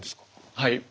はい。